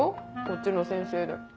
こっちの先生で。